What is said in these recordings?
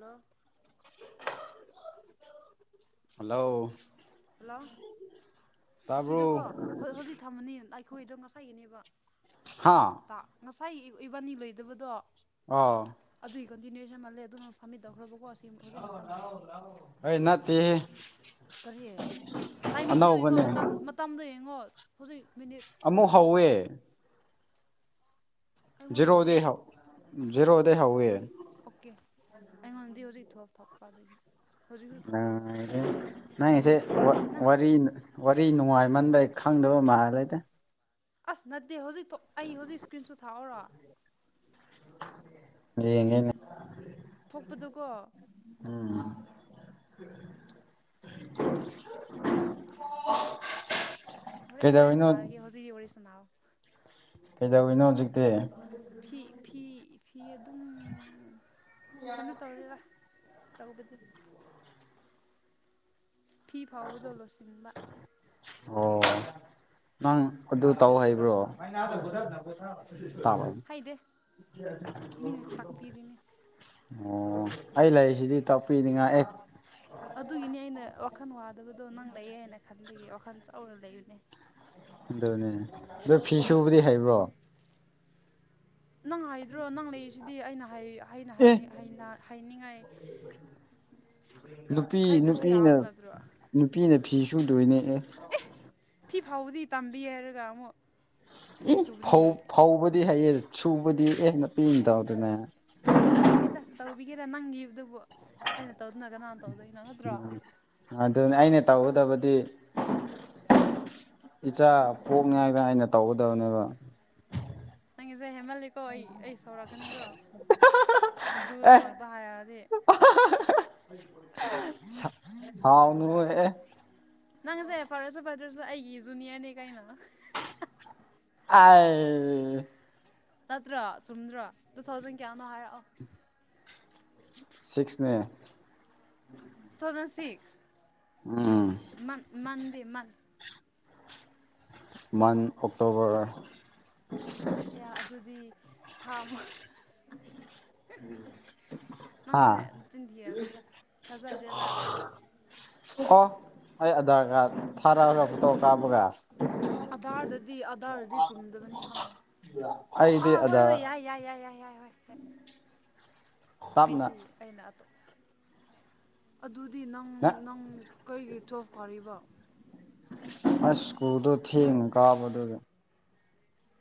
Hello hello hello ꯑꯁꯤꯗꯀꯣ ꯇꯥꯕ꯭ꯔꯣ ꯍꯣꯏ ꯍꯧꯖꯤꯛ ꯊꯝꯃꯅꯤ ꯑꯩꯈꯣꯏꯗꯣ ꯉꯁꯥꯏꯒꯤꯅꯦꯕ ꯍꯥꯥ ꯇ ꯉꯁꯥꯏꯒꯤ ꯏꯕꯥꯅꯤ ꯂꯣꯏꯗꯕꯗꯣ ꯑꯥ ꯑꯗꯨꯒꯤ ꯀꯟꯇꯤꯅꯨꯋꯦꯁꯟ ꯃꯥꯜꯂꯦ ꯑꯗꯨꯅ ꯁꯝꯃꯤꯠ ꯇꯧꯈ꯭ꯔꯕꯀꯣ ꯍꯧꯖꯤꯛ ꯃꯇꯝ ꯂꯩꯔꯅꯤ ꯑꯩ ꯅꯠꯇꯦꯍꯦ ꯀꯔꯤ ꯇꯥꯏꯃꯤꯡꯗꯣ ꯌꯦꯡꯉꯣ ꯑꯅꯧꯕꯅꯦ ꯃꯇꯝ ꯃꯇꯝꯗꯣ ꯌꯦꯡꯉꯣ ꯍꯧꯖꯤꯛ ꯃꯤꯅꯤꯠ ꯊꯣꯛ ꯑꯃꯨꯛ ꯐꯤꯗꯤ ꯍꯧꯋꯦ ꯇꯥꯔ ꯑꯩꯉꯣꯟꯗꯗꯤ ꯖꯤꯦꯔꯣꯗꯒꯤꯩ ꯍꯧ ꯖꯤꯔꯣꯗꯩ ꯑꯣ ꯍꯧꯋꯦ ꯑꯣꯀꯦ ꯑꯣꯀꯦ ꯑꯩꯉꯣꯟꯗꯤ ꯍꯧꯖꯤꯛ ꯏ ꯊꯣꯛꯣꯑ ꯊꯣꯛꯄꯗꯒꯤ ꯅꯪꯁꯦ ꯅ ꯋꯥꯔꯤ ꯋꯥꯔꯤ ꯅꯨꯡꯉꯥꯏꯃꯟꯗ ꯈꯪꯗꯕ ꯃꯥꯂꯗ ꯑꯁ ꯅꯠꯇꯦ ꯍꯧꯖꯤꯛ ꯑꯩ ꯍꯧꯖꯤꯛ ꯏꯁꯀ꯭ꯔꯤꯟꯁꯨ ꯊꯥꯛꯎꯔꯣ ꯌꯦꯉꯦꯅꯦ ꯊꯣꯛꯄꯗꯨꯀꯣ ꯑꯣ ꯎꯝ ꯊꯥꯒꯦ ꯍꯣꯔꯦꯟ ꯍꯣꯔꯦꯟ ꯀꯩꯗꯧꯔꯤꯅꯣ ꯊꯥꯔꯒꯦ ꯍꯧꯖꯤꯛꯀꯤ ꯋꯥꯔꯤꯁꯤꯅꯥꯑꯣ ꯀꯩꯗꯧꯋꯤꯅꯣ ꯍꯧꯖꯤꯛꯇꯤ ꯐꯤ ꯐꯤ ꯐꯤ ꯑꯗꯨꯝ ꯀꯩꯅꯣ ꯇꯧꯗꯦꯕ ꯇꯧꯕꯗꯤ ꯐꯤ ꯐꯥꯎꯕꯗꯣ ꯂꯣꯠꯁꯤꯟꯕ ꯑꯣ ꯅꯪ ꯑꯗꯨ ꯇꯧ ꯍꯥꯏꯕ꯭ꯔꯣ ꯇꯥꯕ ꯍꯩꯗꯦ ꯃꯤꯅ ꯇꯥꯛꯄꯤꯔꯤꯅꯤ ꯑꯣ ꯑꯩ ꯂꯩꯔꯤꯁꯤꯗꯤ ꯇꯥꯛꯄꯤꯅꯤꯡꯉꯥꯏ ꯑꯦ ꯑꯗꯨꯒꯤꯅꯤ ꯑꯩꯅ ꯋꯥꯈꯜ ꯋꯥꯗꯕꯗꯣ ꯅꯪ ꯂꯩꯌꯦ ꯍꯥꯏꯅ ꯈꯟꯕꯒꯤ ꯋꯥꯈꯜ ꯆꯥꯎꯔ ꯂꯩꯕꯅꯦ ꯑꯗꯨꯅꯦ ꯑꯗꯨ ꯐꯤꯁꯨꯨꯕꯨꯗꯤ ꯍꯩꯕ꯭ꯔꯣ ꯅꯪ ꯍꯥꯏꯗ꯭ꯔꯣ ꯅꯪ ꯂꯩꯔꯤꯁꯤꯗꯤ ꯑꯩꯅ ꯑꯩꯅ ꯑꯦ ꯍꯥꯏꯅꯤꯡꯉꯥꯏ ꯅꯨꯄꯤ ꯍꯗ꯭ꯔꯁꯨ ꯅꯨꯄꯤꯅ ꯌꯥꯕ ꯅꯠꯇ꯭ꯔꯣ ꯅꯨꯄꯤꯅ ꯐꯤꯁꯨ ꯂꯣꯏꯅꯦꯛꯑꯦ ꯑꯦ ꯐꯤ ꯐꯥꯎꯕꯗꯤ ꯇꯝꯕꯤ ꯍꯥꯏꯔꯒ ꯑꯃꯨꯛ ꯏ ꯐꯤ ꯁꯨꯕꯗꯤ ꯐꯧ ꯐꯧꯕꯗꯤ ꯍꯩꯌꯦ ꯁꯨꯕꯗꯤ ꯑꯦ ꯍꯦꯟꯅ ꯄꯤꯅꯤꯗꯧꯗꯅꯦ ꯍꯗ ꯇꯧꯕꯤꯒꯦꯔ ꯅꯪꯒꯤꯗꯨꯕꯨ ꯑꯩꯅ ꯇꯧꯗꯨꯅ ꯀꯅꯥ ꯎꯝ ꯑꯗꯨꯅ ꯑꯩꯅ ꯇꯧꯒꯗꯕꯗꯤ ꯏꯆꯥ ꯄꯣꯛꯅꯤꯉꯥꯏꯗ ꯑꯩꯅ ꯇꯧꯒꯗꯕꯅꯦꯕ ꯅꯪꯒꯤꯁꯦ ꯍꯦꯃꯜꯂꯤꯀꯣ ꯑꯩ ꯑꯩ ꯁꯧꯔꯛꯀꯅꯤꯀꯣ ꯑꯦ ꯑꯗꯨꯗ ꯉꯥꯛꯇ ꯍꯥꯏꯔꯛꯑꯗꯤ ꯁꯥꯎꯅ ꯑꯦ ꯅꯪ ꯉꯁꯦ ꯐꯥꯔꯁꯨ ꯐꯗꯔꯁꯨꯗ ꯑꯩꯒꯤ ꯖꯨꯅꯤꯌꯔꯅꯦ ꯀꯩꯅꯣ ꯑ ꯅꯠꯇ꯭ꯔꯥ ꯆꯨꯝꯗ꯭ꯔꯣ ꯇꯨ ꯊꯥꯎꯖꯟ ꯀꯌꯥꯅꯣ ꯍꯥꯏꯔꯛꯑꯣ ꯁꯤꯛꯁꯅꯦ ꯇꯨ ꯊꯥꯎꯖꯟ ꯁꯤꯛꯁ ꯎꯝ ꯃꯟꯗꯦꯟ ꯋꯥꯟ ꯑꯣꯛꯇꯣꯕꯔ ꯑꯦ ꯑꯗꯨꯗꯤ ꯊꯥꯃ ꯍꯥ ꯅꯪꯁꯦ ꯆꯤꯟꯊꯑꯕꯅꯤꯗ ꯊꯥꯖꯗꯦꯗ ꯍꯣ ꯑꯩ ꯑꯙꯥꯔ ꯀꯥꯔꯗ ꯊꯥꯔꯛꯑꯔ ꯐꯣꯇꯣ ꯀꯥꯞꯄꯒ ꯑꯙꯥꯔꯗꯗꯤ ꯑꯙꯥꯔꯗꯗꯤ ꯆꯨꯝꯗꯕꯅꯤ ꯈꯪꯉꯦ ꯑ ꯑꯩꯗꯤ ꯍꯣꯏ ꯍꯣꯏ ꯑꯙꯥꯔ ꯌꯥꯏ ꯌꯥꯏ ꯌꯥꯏ ꯌꯥꯏ ꯌꯥꯏ ꯍꯣꯏ ꯇꯞꯅ ꯑꯩꯗꯤ ꯑꯩꯅ ꯑꯗꯨꯣ ꯑꯗꯨꯗꯤ ꯅꯪ ꯅꯪ ꯀꯔꯤꯒꯤ ꯊꯣꯈꯣꯔꯤꯕꯣ ꯑꯁ ꯁ꯭ꯀꯨꯜꯗꯣ ꯊꯦꯡꯅ ꯀꯥꯕꯗꯨꯗ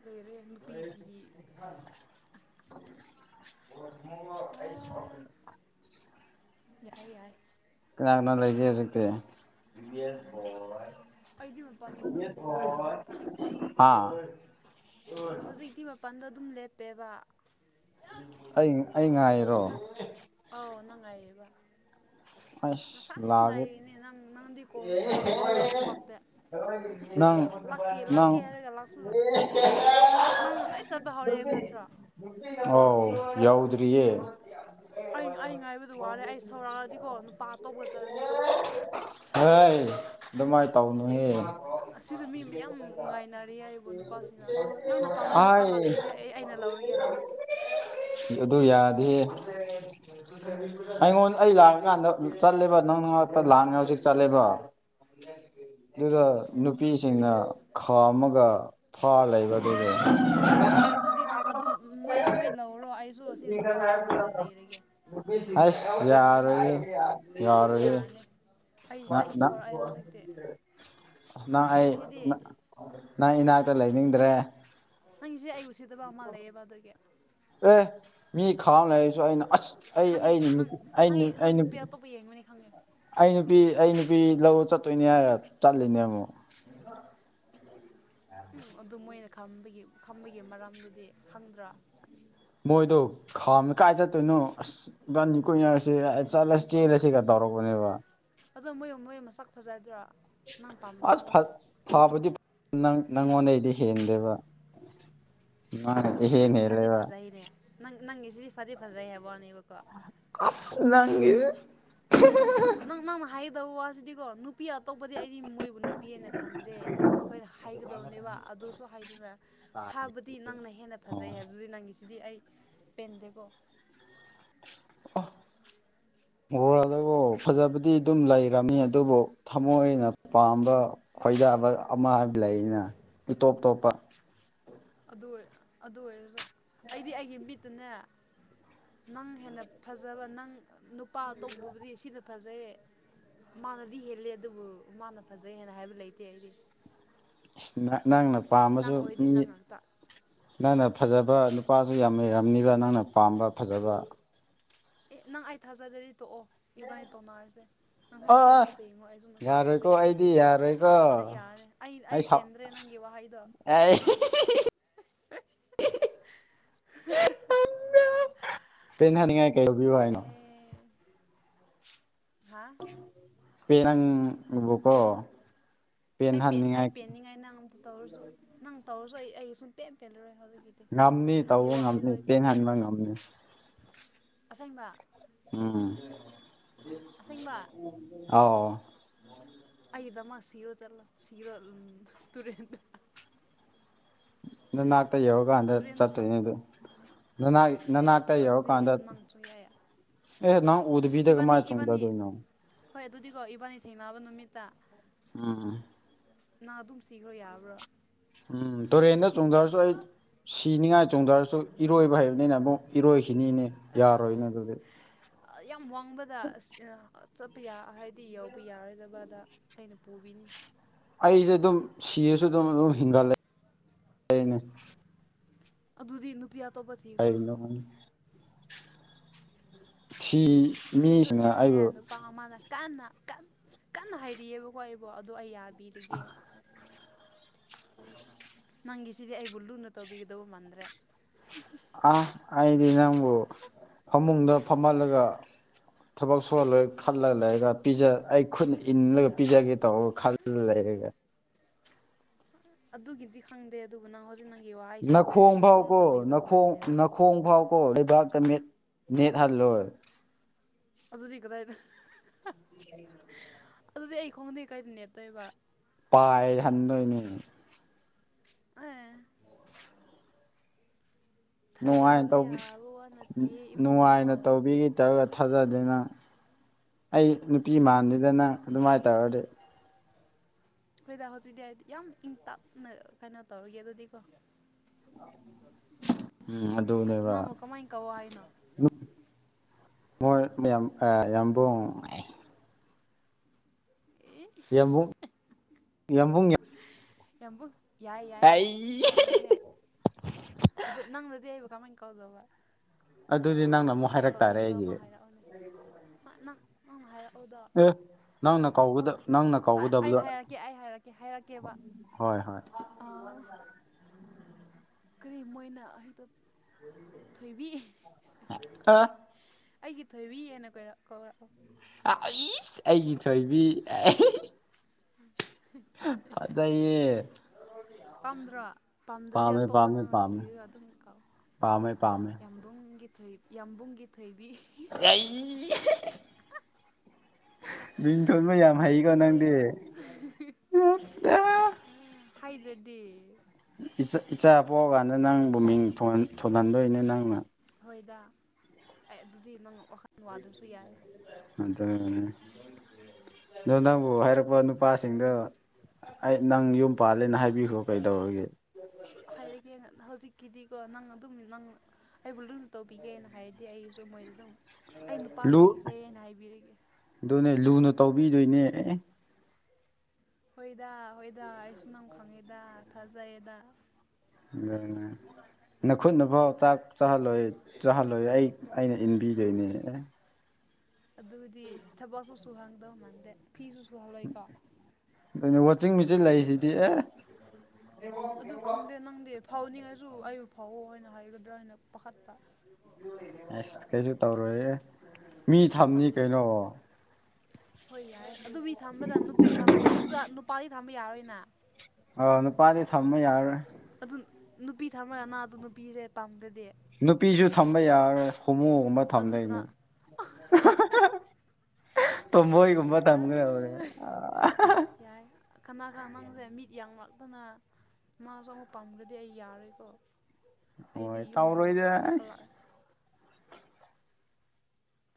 ꯔꯔ ꯐ ꯊꯒꯤ ꯑꯥ [unintelligible] ꯌꯥꯏ ꯌꯥꯏ ꯀꯅꯥ ꯀꯅꯥ ꯂꯩꯒꯦ ꯍꯧꯖꯤꯛꯇꯤ ꯑꯩꯗꯤ ꯃꯄꯥꯟꯗ ꯑꯗꯨꯝ ꯂꯦꯞꯄꯦ ꯏꯊꯟꯇ ꯍꯥ ꯍꯧꯖꯤꯛꯇꯤ ꯃꯄꯥꯟꯗ ꯑꯗꯨꯝ ꯂꯦꯞꯄꯦꯕ ꯑꯩ ꯑꯩ ꯉꯥꯏꯌꯨ ꯅꯪ ꯑꯥꯎ ꯅꯪꯉꯥꯏꯌꯦꯕ ꯑꯁ ꯉꯁꯥꯏꯗꯩ ꯂꯥꯛꯑꯒꯦ ꯉꯥꯏꯔꯤꯅꯦ ꯅꯪ ꯅꯪꯗꯤ ꯀꯣꯜꯁꯨ ꯇꯧꯔꯛꯇꯦ ꯂꯥꯛꯁꯨ ꯂꯥꯛꯇꯦ ꯅꯪ ꯂꯥꯛꯀꯦ ꯅꯪ ꯂꯥꯛꯀꯦ ꯍꯥꯏꯔꯒ ꯂꯥꯛꯁ ꯂꯥꯛ [unintelligible] ꯅꯪ ꯉꯁꯥꯏ ꯆꯠꯄ ꯍꯧꯔꯛꯑꯦꯕ ꯅꯠꯇ꯭ꯔꯣ ꯑꯣ ꯌꯥꯎꯗ꯭ꯔꯤꯌꯦ ꯑꯩ ꯑꯩ ꯉꯥꯏꯕꯗꯨ ꯋꯥꯔꯦ ꯑꯩ ꯁꯧꯔꯛꯑꯗꯤꯀꯣ ꯅꯨꯄꯥ ꯑꯇꯧꯄꯒ ꯆꯠꯂꯅꯤꯀꯣ ꯍ‌ꯦ ꯑꯗꯨꯃꯥꯏꯅ ꯇꯧꯅꯨꯍꯦ ꯑꯁꯤꯗ ꯃꯤ ꯌꯥꯝ ꯉꯥꯏꯅꯔꯦ ꯌꯥꯏꯕꯣ ꯅꯨꯄꯥꯁꯤꯡꯅ ꯅꯪꯅ ꯄꯥꯝꯕ ꯅꯨꯄꯥ ꯑꯥꯏ ꯂꯥꯛ ꯑꯗꯨꯗꯤ [unintelligible] ꯑꯩ ꯑꯩꯅ ꯂꯧꯔꯒꯦ ꯍꯥꯏꯅ ꯑꯗꯨ ꯌꯥꯗꯦ ꯑꯩꯉꯣꯟ ꯑꯩ ꯂꯥꯛꯑꯀꯥꯟꯗ ꯆꯠꯂꯦꯕ ꯅꯪꯅꯥꯛꯇ ꯂꯥꯡꯉꯦ ꯍꯧꯖꯤꯛ [unintelligible] ꯆꯠꯂꯦꯕ ꯑꯗꯨꯒ ꯅꯨꯄꯤ ꯁꯤꯡꯅ ꯈꯥꯝꯃꯒ ꯐꯥ ꯂꯩꯕ ꯑꯗꯨꯒ ꯑꯦ ꯑꯦ ꯑꯗꯨꯗꯤ ꯅꯪ ꯑꯗꯨ ꯃꯣꯏ ꯃꯣꯏ ꯂꯧꯔꯣ ꯑꯩꯁꯨ ꯑꯁꯤ ꯅꯨꯄꯥ ꯑꯇꯣꯞꯄꯗ ꯂꯩꯔꯒꯦ ꯑꯁ ꯌꯥꯔꯕ ꯌꯥꯔ ꯅꯠꯇ꯭ꯔꯥ [unintelligible] ꯌꯥꯔꯥꯏꯍ‌ꯦ ꯌꯥꯅꯤ ꯑꯩ ꯑ ꯑꯩ ꯁꯧꯔꯛꯑꯦ ꯍꯧꯖꯤꯛꯇꯤ [unintelligible] ꯅꯪꯒꯤꯁꯤꯗꯤ ꯅꯪ ꯏꯅꯥꯛꯇ ꯂꯩꯅꯤꯡꯗ꯭ꯔꯦ ꯅꯪꯁꯦ ꯑꯩ ꯎꯁꯤꯠꯗꯕ ꯃꯥꯟꯂꯛꯑ‌ꯦꯕ ꯑꯗꯨꯒꯤ ꯑꯦ ꯃꯤ ꯈꯥꯝꯃ ꯂꯩꯔꯁꯨ ꯑꯩꯅ ꯑꯁ ꯑꯩ ꯑꯩꯅ ꯅꯨꯄꯤ ꯑꯩꯅ ꯑꯩꯅ ꯄꯨ ꯌꯦꯡ ꯃꯅꯤ ꯈꯪꯦ [unintelligible] ꯑꯩ ꯅꯨꯄꯤ ꯑꯩ ꯅꯨꯄꯤ ꯂꯧꯕ ꯆꯠꯇꯣꯏꯅꯦ ꯍꯥꯏꯔ ꯆꯠꯂꯤꯅꯦ ꯑꯃꯨꯛ ꯎꯝ ꯑꯗꯨ ꯃꯣꯏꯅ ꯈꯪꯝꯕꯒꯤ ꯈꯝꯕꯒꯤ ꯃꯔꯝꯗꯨꯗꯤ ꯈꯪꯗ꯭ꯔꯥ ꯃꯣꯏꯗꯣ ꯈꯥꯝꯃ‌ꯦ ꯀꯥꯏ ꯆꯠꯇꯣꯏꯅꯨ ꯑꯁ ꯏꯕꯅꯤ ꯀꯨꯏꯅꯔꯁ‌ꯦ ꯆꯠꯂ ꯆꯦꯜꯂꯁꯤꯒ ꯇꯧꯔꯛꯄꯅꯦꯕ ꯑꯗꯣ ꯃꯣꯏ ꯃꯣꯏ ꯃꯁꯛ ꯐꯖꯗ꯭ꯔꯣ ꯑꯁ ꯐꯕꯗꯤ ꯅꯪ ꯅꯪꯉꯣꯟꯗꯩꯗꯤ ꯍꯦꯟꯗꯦꯕ ꯌꯥꯔꯦ [unintelligible] ꯑꯦ ꯐꯗꯤ ꯐꯖꯩꯅꯦ ꯅꯪ ꯅꯪꯒꯤ ꯁꯤꯗꯤ ꯐꯗꯤ ꯐꯖꯩ ꯍꯥꯏꯕ ꯋꯥꯅꯦꯕꯀꯣ ꯑꯁ ꯅꯪꯦ [unintelligible] ꯅꯪ ꯅꯪꯅ ꯍꯥꯏꯒꯗꯕ ꯋꯥꯁꯤꯗꯤꯀꯣ ꯅꯨꯄꯤ ꯑꯇꯣꯞꯄꯗꯤ ꯑꯩꯗꯤ ꯃꯣꯏꯕꯨ ꯅꯨꯄꯤꯑꫭꯏꯅ ꯈꯟꯗꯦ ꯍꯣꯏꯅ ꯍꯥꯏꯒꯗꯧꯅꯦꯕ ꯑꯗꯨꯁꯨ ꯍꯥꯏꯗꯅ ꯐꯕꯗꯤ ꯗꯤ ꯅꯪꯅ ꯍꯦꯟꯅ ꯐꯖꯩ ꯍꯥꯏꯕꯗꯨꯗꯤ ꯅꯪꯒꯤꯁꯤꯗꯤ ꯑꯩ ꯄꯦꯟꯗꯦꯀꯣ ꯑ [unintelligible] ꯣꯔꯗꯕꯨ ꯐꯖꯕꯗꯤ ꯑꯗꯨꯝ ꯂꯩꯔꯝꯃꯤ ꯑꯗꯨꯕꯨ ꯊꯃꯣꯏꯅ ꯄꯥꯝꯕ ꯈꯣꯏꯗꯕ ꯑꯃ ꯂꯩꯅ ꯏꯇꯣꯞ ꯇꯣꯞꯄ ꯑꯗꯨ ꯑꯣꯏꯔ ꯑꯗꯨ ꯑꯣꯏꯔꯁꯨ ꯑꯩꯗꯤ ꯑꯩꯒꯤ ꯃꯤꯠꯇꯨꯅ ꯅꯪ ꯍꯦꯟꯅ ꯐꯖꯕ ꯅꯪ ꯅꯨꯄꯥ ꯑ ꯇꯧꯕꯕꯨꯗꯤ ꯁꯤꯅ ꯐꯖꯩꯌꯦ ꯃꯥꯅꯗꯤ ꯍꯦꯜꯂꯦ ꯑꯗꯨꯕꯨ ꯃꯥꯅ ꯐꯖꯩ ꯍꯥꯏꯦꯅ ꯍꯥꯏꯕ ꯂꯩꯇꯦ ꯑꯩꯗꯤ ꯅꯪꯅ ꯅꯪ ꯄꯥꯝꯝꯕꯁꯨ ꯑꯣꯏꯔꯗꯤ ꯃꯤ ꯅꯪ ꯉꯥꯛꯇ ꯅꯪꯅ ꯐꯖꯕ ꯅꯨꯄꯥꯁꯨ ꯌꯥꯝ ꯂꯩꯔꯝꯅꯤꯕ ꯅꯪꯅ ꯄꯥꯝꯕ ꯐꯖꯕ ꯑꯦ ꯅꯪ ꯑꯩ ꯊꯥꯖꯗꯔꯗꯤ ꯇꯣꯛꯑꯣ ꯏꯕꯥꯅꯤ ꯇꯣꯟꯅꯔꯁꯦ ꯅꯪꯁꯨ ꯅꯨꯄꯤ ꯑ ꯑꯇꯣꯄ ꯌꯦꯡꯉꯣ ꯑꯩꯁꯨ ꯅꯨꯄꯥ ꯑꯇꯣꯞꯄ ꯌꯥꯔꯣꯏꯀꯣ ꯑꯩꯗꯤ ꯌꯦꯡꯉꯔꯒꯦ ꯌꯥꯔꯣꯏꯀꯣ ꯅꯪ ꯌꯥꯔꯦ ꯑꯩ ꯑꯩ ꯄꯦꯟꯗ꯭ꯔꯦ ꯅꯪꯒꯤ ꯋꯥꯍꯩꯗꯣ ꯑꯩ [unintelligible] ꯄꯦꯟ ꯊꯅꯤꯡꯉꯥꯏ [unintelligible] ꯀꯩ ꯑꯣꯏꯧꯕꯤꯔꯣ ꯍꯥꯏꯅꯣ ꯑꯦ ꯍꯥ ꯄꯤ ꯅꯪ ꯎꯕꯀꯣ ꯑꯩ ꯄꯦ ꯑꯩ ꯄꯦꯟꯅꯤꯡꯉꯥꯏ ꯅꯪ ꯑꯝꯇ ꯇꯧꯔꯁꯨ ꯅꯪ ꯇꯧꯔꯁꯨ ꯑꯩ ꯑꯩ ꯁꯨꯡ ꯄꯦꯟ ꯄꯦꯟꯂꯔꯣꯏ ꯍꯧꯖꯤꯛ [unintelligible] ꯗꯤ ꯉꯝꯅꯤ ꯅꯪꯒꯤ ꯇꯧꯕ ꯋꯥꯍꯩꯗꯣ ꯉꯝꯅꯤ ꯑꯩ ꯑꯩ ꯄꯦꯟꯍꯟꯕ ꯉꯝꯅꯤ ꯑꯁꯦꯡꯕ ꯎꯝ ꯑꯁꯦꯡꯕ ꯑꯥꯎ ꯑꯩꯒꯤꯗꯃꯛ ꯁꯤꯔꯣ ꯆꯠꯂꯣ ꯁꯤꯔꯣ ꯇꯨꯔꯦꯟ ꯅꯅꯥꯥꯛꯇꯥ ꯌꯧꯔꯛ ꯀꯥꯟꯗ ꯇꯨꯔꯦꯟꯗ ꯆꯠꯇꯣꯏꯅꯦ ꯆꯣꯡꯉꯨ ꯑꯗꯣ ꯅꯅꯥ ꯑꯦ ꯅꯅꯥꯛꯇꯥ ꯑꯗꯨꯗꯤ ꯌꯧꯔꯀꯥꯟꯗ ꯅꯪ ꯁꯨꯡꯌꯥ ꯌꯥ ꯑꯦ ꯅꯪ ꯎꯗꯕꯤꯗ ꯏꯕꯥꯅꯤ ꯀꯃꯥꯏ ꯏꯕꯥꯅꯤ ꯆꯣꯡꯗꯗꯣꯏꯅꯣ ꯍꯣꯏ ꯑꯗꯨꯗꯤꯀꯣ ꯏꯕꯥꯅꯤ ꯊꯦꯡꯅꯕ ꯅꯨꯃꯤꯠꯇꯥ ꯑꯝ ꯅꯥ ꯑꯗꯨꯝ ꯁꯤꯈ꯭ꯔꯣ ꯌꯥꯕ꯭ꯔꯣ ꯎꯝ ꯇꯨꯔꯦꯟꯗ ꯆꯣꯡꯗꯔꯥꯁꯨ ꯑꯩ ꯁꯤꯅꯤꯉꯥꯏ ꯆꯣꯡꯗꯔꯥꯁꯨ ꯏꯔꯣꯏꯕ ꯍꯩꯕꯅꯤꯅ ꯑꯃꯨꯛ ꯏꯔꯣꯏꯈꯤꯅꯤꯅꯦ ꯌꯥꯔꯣꯏꯅꯦ ꯑꯁ ꯑꯗꯨꯗꯤ ꯌꯥꯝ ꯋꯥꯡꯕꯗ ꯑꯁ ꯑꯥ ꯆꯠꯄ ꯌꯥ ꯍꯥꯏꯗꯤ ꯌꯧꯕ ꯌꯥꯔꯣꯏꯗꯕꯗꯥ ꯑꯩꯅ ꯄꯨꯕꯤꯅꯤ ꯑꯩꯖꯦ ꯑꯗꯨꯝ ꯁꯤꯔꯁꯨ ꯑꯗꯨꯝ ꯑꯗꯨꯝ ꯍꯤꯡꯒꯠꯂꯦ [unintelligible] ꯑꯗꯨꯗꯤ ꯅꯨꯄꯤ ꯑꯇꯣꯞꯄ ꯊꯤꯈ꯭ꯔꯣ ꯀꯩꯒꯤꯅꯣ ꯈꯪꯗꯦ ꯁꯤ ꯑꯩꯁꯨ ꯃꯤꯁꯤꯅ ꯑꯁꯤꯗꯅꯦ ꯑꯩꯕꯨ ꯅꯨꯄꯥ ꯑꯃꯥꯅ ꯀꯟꯅ ꯀꯟꯅ ꯍꯥꯏꯔꯤꯛꯑꯦꯕꯀꯣ ꯑꯩꯕꯣ ꯑꯗꯣ ꯑꯩ ꯌꯥꯕꯤꯔꯒꯦ ꯅꯪꯒꯤ ꯁꯤꯖꯦ ꯑꯩꯕꯨ ꯂꯨꯅ ꯇꯧꯕꯤꯒꯗꯧꯕ ꯃꯥꯟꯗ꯭ꯔꯦ ꯑꯥ ꯑꯩꯗꯤ ꯅꯪꯕꯨ ꯐꯥꯃꯨꯡꯗ ꯐꯝꯍꯜꯂꯒ ꯊꯕꯛ ꯁꯨꯍꯜꯂꯣꯏ ꯈꯜꯂꯒ ꯂꯩ ꯑꯦ ꯑꯦ ꯄꯤꯖ ꯑꯩ ꯈꯨꯠꯅ ꯏꯜꯂꯒ ꯄꯤꯖꯒꯦ ꯇꯧꯔ ꯈꯜꯂ ꯂꯩꯔꯒ ꯑꯗꯨꯒꯤꯗꯤ ꯈꯪꯗꯦ ꯑꯗꯨꯕꯨ ꯅꯪ ꯍꯧꯖꯤꯛ ꯅꯪꯒꯤ ꯋꯥꯍꯩꯁꯤꯡꯁꯦ ꯑꯩꯕꯨ ꯂꯨꯅ ꯇꯧꯕꯤꯒꯗꯕ ꯃꯥꯟꯗꯦꯕ ꯈꯣꯡ ꯐꯥꯎ ꯀꯣ ꯂꯩꯕꯥꯛꯀꯥ ꯃꯦꯠ ꯅꯦꯠꯍꯜꯂꯣꯏ ꯑꯗꯨꯗꯤ ꯀꯗꯥꯏꯗ [unintelligible] ꯑꯗꯨꯗꯤ ꯑꯩ ꯈꯣꯡꯗꯤ ꯀꯗꯥꯏꯗ ꯅꯦꯠꯇꯣꯏꯕ ꯄꯥꯏꯍꯟꯗꯣꯏꯅꯤ ꯑꯦ ꯅꯨꯡꯉꯥꯏꯅ ꯊꯥꯖꯕ ꯇꯧꯕꯤ ꯌꯥꯕ ꯋꯥ ꯅꯠꯇꯦꯌꯦ ꯅꯨꯡꯉꯥꯏꯅ ꯏꯕꯨꯡꯉꯣ ꯇꯧꯕꯤ ꯇꯧꯔꯒ ꯊꯥꯖꯗꯦ ꯅꯪ ꯑꯩ ꯅꯨꯄꯤ ꯃꯥꯟꯗꯦꯗ ꯅꯪ ꯑꯗꯨꯃꯥꯏꯅ ꯇꯧꯔꯗꯤ ꯑꯩꯈꯣꯏꯗ ꯍꯧꯖꯤꯛꯇꯤ ꯍꯥꯏꯗꯤ ꯌꯥꯝ ꯏꯪ ꯇꯞꯅ ꯀꯩꯅꯣ ꯇꯧꯔꯒꯦ ꯑꯗꯨꯗꯤꯀꯣ ꯎꯝ ꯃꯥꯡꯃꯨ ꯀꯃꯥꯏ ꯀꯧꯋꯣ ꯍꯥꯏꯅꯣ ꯅꯨꯞ ꯃꯣꯏ ꯃꯌꯥꯝ ꯑꯥ ꯌꯥꯝꯕꯨꯡ [unintelligible] ꯌꯥꯝꯕꯨꯡ ꯌꯥꯝꯕꯨꯡ ꯌꯥꯝ ꯌꯥꯝꯕꯨꯡ ꯌꯥꯏ ꯌꯥꯏ ꯌꯥꯏ ꯑꯩ ꯐꯖꯩꯍꯥꯏ ꯑꯗꯣ ꯅꯪꯅꯗꯤ ꯑꯩꯕꯨ ꯀꯔꯝꯃꯥꯏꯟ ꯀꯧꯗꯧꯕ ꯑꯗꯨꯗꯤ ꯅꯪꯅ ꯑꯃꯨꯛ ꯍꯥꯏꯔꯛ ꯇꯥꯔꯦ ꯀꯧꯅꯤꯡꯕ ꯑꯃ ꯑꯩꯒꯤꯗꯤ ꯍꯥꯏꯔꯛꯎꯅꯦ ꯅꯪ ꯅꯪ ꯅꯪꯅ ꯍꯥꯏꯔꯛꯎꯗꯣ ꯑꯦ ꯅꯪꯅ ꯑꯩ ꯀꯧꯒꯗ ꯅꯪꯅ ꯑꯩ ꯀꯧꯒꯗꯕꯗꯣ ꯍꯥꯏꯔꯛꯀꯦ ꯑꯩ ꯍꯥꯏꯔꯛꯀꯦ ꯍꯥꯏꯔꯛꯀꯦꯕ ꯍꯣꯏ ꯍꯣꯏ ꯑꯥ ꯀꯔꯤ ꯃꯣꯏꯅ ꯍꯩꯗ ꯊꯣꯏꯕꯤ [unintelligible] ꯑꯩꯒꯤ ꯊꯣꯏꯕꯤ ꯍꯥꯏꯅ ꯀꯣꯏꯔꯛ ꯀꯧꯔꯛꯑꯣ ꯏꯁ ꯑꯩꯒꯤ ꯊꯣꯏꯕꯤ ꯐꯖꯩꯌꯦ ꯄꯥꯝꯗ꯭ꯔꯣ ꯄꯥꯝꯗ꯭ꯔꯗꯤ ꯄꯥꯝꯃꯦ ꯑꯇꯣꯞꯄ ꯄꯥꯝꯃꯦ ꯅꯪꯅ ꯄꯥꯝꯃꯦ ꯊꯤꯔꯒ ꯑꯗꯨꯝ ꯀꯥꯎ ꯌꯥꯝ ꯄꯥꯝꯃꯦ ꯄꯥꯝꯃꯦ ꯌꯥꯝꯕꯨꯡꯒꯤ ꯊꯣꯏ ꯌꯥꯝꯕꯨꯡꯒꯤ ꯊꯣꯏꯕꯤ ꯀ [unintelligible] ꯃꯤꯡꯊꯣꯟꯕ ꯌꯥꯝ ꯍꯩꯀꯣ ꯅꯪꯗꯤ ꯐꯖꯩꯀꯣ ꯍꯥꯏꯗ꯭ꯔꯗꯤ ꯏꯆꯥ ꯄꯣꯛꯑꯀꯥꯟꯗ ꯅꯪꯕꯨ ꯃꯤꯡ ꯊꯣꯟꯍꯟꯗꯣꯏꯅꯦ ꯅꯪꯅ ꯍꯣꯏꯗ ꯑꯩ ꯑꯗꯨꯗꯤ ꯅꯪ ꯋꯥꯈꯜ ꯋꯥꯗ꯭ꯔꯁꯨ ꯌꯥꯏ ꯑꯗꯨ ꯑꯗꯣ ꯅꯪꯕꯨ ꯍꯥꯏꯔꯛꯄ ꯅꯨꯄꯥꯁꯤꯡꯗꯣ ꯑꯩ ꯅꯪ ꯌꯨꯝ ꯄꯥꯜꯂꯦꯅ ꯍꯥꯏꯕꯤꯈ꯭ꯔꯣ ꯀꯩꯗꯧꯔꯒꯦ꯫ ꯍꯥꯏꯔꯒꯦ ꯍꯧꯖꯤꯛꯀꯤꯗꯤꯀꯣ ꯅꯪ ꯑꯗꯨꯝ ꯅꯪ ꯑꯩꯕꯨ ꯂꯨꯅ ꯇꯧꯕꯤꯒꯦꯅ ꯍꯥꯏꯔꯗꯤ ꯑꯩꯁꯨ ꯃꯣꯏꯗ ꯑꯗꯨꯝ ꯑꯩ ꯅꯨꯄꯥ ꯂꯨ ꯂꯩꯈ꯭ꯔꯦꯅ ꯍꯥꯏꯕꯤꯔꯒꯦ꯫ ꯑꯗꯨꯅꯦ ꯂꯨꯅ ꯇꯧꯕꯤꯗꯣꯏꯅꯦ ꯑꯦ ꯍꯣꯏꯗ-ꯍꯣꯏꯗ ꯑꯩꯁꯨ ꯅꯪ ꯈꯪꯉꯦꯗ ꯊꯥꯖꯩꯌꯦꯗ꯫ ꯑꯗꯨꯅꯦ ꯅꯈꯨꯠꯅꯐꯥꯎ ꯆꯥꯛ ꯆꯥꯍꯜꯂꯣꯏ-ꯆꯥꯍꯜꯂꯣꯏ ꯑꯩ- ꯑꯩꯅ꯫ ꯏꯟꯕꯤꯗꯣꯏꯅꯦ꯫ ꯑꯗꯨꯗꯤ ꯊꯕꯛꯁꯨ ꯁꯨꯍꯜꯗꯧ ꯃꯥꯟꯗꯦ ꯐꯤꯁꯨ ꯁꯨꯍꯜꯂꯣꯏꯀꯣ꯫ ꯑꯗꯨꯅꯦ ꯋꯥꯆꯤꯡ ꯃꯦꯆꯤꯟ ꯂꯩꯔꯤꯁꯤꯗꯤ ꯑꯦ꯫ ꯑꯗꯨ ꯈꯪꯗꯦ ꯅꯪꯗꯦ ꯐꯥꯎꯅꯤꯡꯉꯁꯨ ꯑꯩꯕꯨ ꯐꯥꯎꯋꯣ ꯍꯥꯏꯅ ꯍꯥꯏꯒꯗ꯭ꯔꯥ ꯍꯥꯏꯅ ꯄꯥꯈꯠꯄ ꯑꯁ ꯀꯩꯁꯨ ꯇꯧꯔꯣꯏꯌꯦ ꯃꯤ ꯊꯝꯅꯤ ꯑꯁ ꯀꯩꯅꯣ꯫ ꯍꯣꯏ ꯌꯥꯏ ꯑꯗꯨ ꯊꯝꯕꯗ ꯅꯨꯄꯤ ꯊꯝ ꯅꯨ-ꯅꯨꯄꯥꯗꯤ ꯊꯝꯕ ꯌꯥꯔꯣꯏꯅ ꯑ ꯅꯨꯄꯥꯗꯤ ꯊꯝꯃ ꯌꯥꯔꯣꯏ꯫ ꯑꯗꯨ ꯅꯨꯄꯤ ꯊꯥꯃ ꯑ-ꯅꯥꯗꯣ ꯅꯨꯄꯤꯔꯦ ꯄꯥꯝꯈꯔꯥꯗꯤ? ꯅꯨꯄꯤꯁꯨ ꯊꯝꯕ ꯌꯥꯔꯣꯏ ꯍꯣꯃꯣꯒꯨꯝꯕ ꯑꯗꯨ ꯀꯅꯥ ꯊꯝꯗꯣꯏꯅꯤ꯫ ꯇꯣꯝꯕꯣꯏ ꯀꯨꯝꯕ ꯊꯝꯈ꯭ꯔꯦ [unintelligible] ꯌꯥꯏ ꯀꯅꯥ-ꯀꯅꯥ ꯅꯪꯁꯦ ꯃꯤꯠ ꯌꯥꯡꯂꯛꯇꯅ? ꯃꯥꯁꯨ ꯑꯃꯨꯛ ꯄꯥꯝꯈ꯭ꯔꯗꯤ ꯑꯩ ꯌꯥꯔꯣꯏꯀꯣ ꯑꯩꯗꯤ ꯍꯣꯏ ꯌꯨꯝꯗ ꯇꯧꯔꯣꯏꯗ ꯑꯁ ꯍꯂꯛ-ꯍꯂꯛꯑꯦ꯫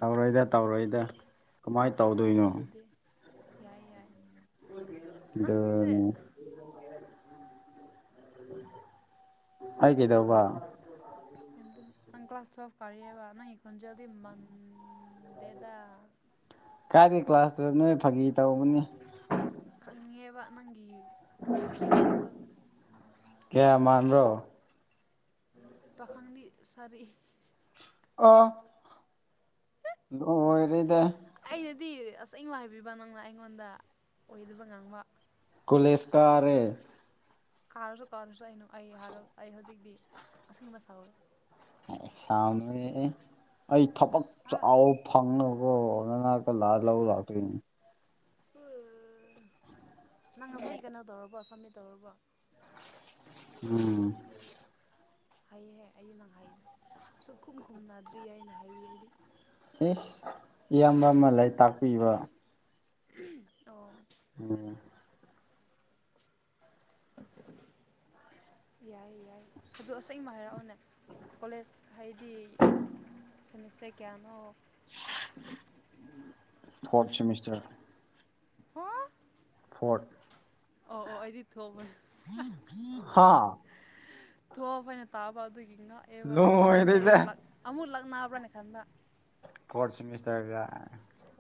ꯇꯧꯔꯣꯏꯗ-ꯇꯧꯔꯣꯏꯗ꯫ ꯑꯣ ꯌꯥꯏ ꯑꯗꯨꯗꯤ ꯌꯥꯏ-ꯌꯥꯏ ꯅꯪꯁꯦ ꯑꯗꯨꯅꯤ ꯑꯩ ꯀꯩꯗꯧꯕ? [unintelligible] ꯅꯪ ꯀ꯭ꯂꯥꯁ ꯇꯨꯌꯦꯜꯐ ꯀꯔꯤꯑꯦꯕ ꯅꯪ ꯈꯣꯟꯖꯦꯜꯗꯤ ꯃꯟꯗꯦꯗ꯫ ꯀꯥꯏꯗ ꯀ꯭ꯂꯥꯁ ꯇꯨꯌꯦꯜꯞ ꯅꯣꯍꯦ ꯐꯥꯒꯤ ꯇꯧꯕꯅꯤ꯫ ꯈꯪꯉꯦꯕ ꯅꯪꯒꯤ ꯋꯥ ꯀꯩꯅꯣꯗꯣ꯫ ꯀꯌꯥ ꯃꯟꯕꯔꯣ ꯄꯥꯈꯪꯗꯤ ꯁꯥꯔꯤ꯫ ꯑꯣ ꯂꯣꯏꯔꯦꯗ꯫ ꯑꯩꯅꯗꯤ ꯑꯁꯦꯡꯕ ꯍꯥꯏꯕꯤꯕ ꯅꯪꯅ ꯑꯩꯉꯣꯟꯗ ꯑꯣꯏꯗꯕ ꯉꯥꯡꯕ꯫ ꯀꯣꯂꯦꯁ ꯀꯥꯔꯦ꯫ ꯀꯥꯔꯁꯨ ꯀꯗꯔꯥꯁꯨ ꯑꯩꯅ ꯑꯩ ꯍꯥꯏꯔꯣ ꯑꯩ ꯍꯧꯖꯤꯛꯇꯤ ꯑꯁꯦꯡꯕ ꯁꯥꯎꯔꯦ꯫ ꯁꯥꯎꯅꯣꯍꯦ ꯑꯦ ꯑꯩ ꯊꯕꯛ ꯆꯥꯎ ꯐꯪꯅꯀꯣ ꯅꯅꯥꯛꯇ ꯂꯥꯛꯑꯒ ꯂꯧ ꯂꯥꯛꯇꯣꯏꯅꯤ꯫ ꯍꯣ-ꯅꯪ ꯉꯁꯥꯏ ꯀꯩꯅꯣ ꯇꯧꯔꯕꯣ ꯁꯕꯃꯤꯠ ꯇꯧꯔꯕꯣ? ꯎꯝ ꯍꯩꯍꯦ ꯑꯩꯗꯤ ꯅꯪ ꯍꯩ ꯁꯨꯛꯈꯨꯝ ꯈꯨꯝꯅꯗ꯭ꯔꯤꯌꯦ ꯍꯥꯏꯅ ꯍꯥꯏꯋꯏ ꯑꯩꯗꯤ꯫ ꯏꯁ ꯏꯌꯥꯝꯕ ꯑꯃ ꯂꯩ ꯇꯥꯛꯄꯤꯕ꯫ ꯎꯝ ꯑꯣ꯫ ꯑꯣꯝ [inaudible] ꯌꯥꯏ ꯌꯥꯏ ꯑꯗꯨ ꯑꯁꯦꯡꯕ ꯍꯥꯏꯔꯛꯎꯅꯦ ꯀꯣꯂꯦꯖ ꯍꯥꯏꯗꯤ ꯁꯦꯃꯤꯁꯇꯔ ꯀꯌꯥꯅꯣ? Fourth semester. ꯍꯥ? ꯐꯣꯔꯠ꯫ ꯑꯣ ꯑꯣ ꯑꯩꯗꯤ [unintelligible] ꯍꯥꯥ ꯊꯣꯞꯑꯕ ꯅ ꯇꯥꯕ ꯑꯗꯨꯒꯤ ꯉꯥꯛꯑꯦꯕ ꯂꯣꯏꯔꯦꯗ -inaudible ꯑꯃꯨꯛ ꯂꯛꯅꯕ꯭ꯔꯥꯅ ꯈꯟꯕ꯫ ꯐꯣꯔꯠ ꯁꯦꯃꯤꯁꯇꯔꯒ꯫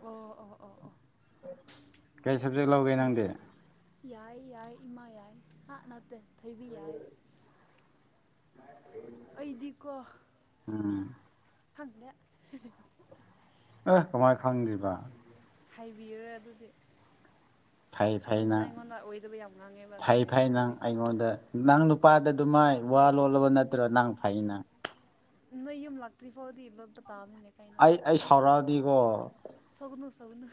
ꯑꯣ ꯑꯣ ꯑꯣ ꯑꯣ ꯀꯩ ꯁꯕꯖꯦꯛ ꯂꯧꯒꯦ ꯅꯪꯗꯤ ꯌꯥꯏ ꯌꯥꯏ ꯏꯃꯥ ꯌꯥꯏ ꯑꯥ ꯅꯠꯇꯦ ꯊꯣꯏꯕꯤ ꯌꯥꯏ ꯑꯩ ꯗꯤꯀꯣ ꯎꯝ ꯈꯪꯗꯦ ꯑꯦ ꯀꯃꯥꯏ ꯈꯪꯗ꯭ꫪꯤꯕ ꯍꯥꯏꯕꯤꯔꯣꯏ ꯑꯗꯨꯗꯤ ꯐꯩ ꯐꯩ ꯅꯪꯁꯨ ꯅꯪ ꯑꯩꯉꯣꯟꯗ ꯑꯣꯏꯗꯕ ꯌꯥꯝ ꯉꯥꯡꯉꯦꯕ ꯐꯩ ꯑꯗꯨꯒꯤ ꯑꯩꯁꯨ ꯐꯩ ꯅꯪ ꯍꯧꯖꯤꯛꯇꯤ ꯑꯩꯉꯣꯟꯗ ꯅꯪ ꯅꯨꯄꯥꯗ ꯑꯗꯨ ꯃꯥꯏ ꯋꯥ ꯂꯣꯜꯂꯕ ꯅꯠꯇ꯭ꯔ ꯅꯪ ꯐꯩꯩ ꯅꯪ ꯅꯣꯏ ꯌꯨꯝ ꯂꯛꯇ꯭ꯔꯤ ꯐꯎꯗꯤ inaudible ꯇꯕꯅꯤꯅꯦ ꯑꯩ ꯑꯩ ꯁꯥꯎꯔꯛ ꯑ ꯗꯤꯀꯣ ꯁꯎꯒꯅꯨ ꯁꯎꯒꯅꯨ